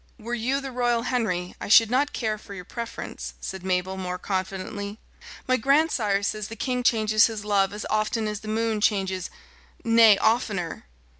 "Were you the royal Henry, I should not care for your preference," said Mabel more confidently. "My grandsire says the king changes his love as often as the moon changes nay, oftener."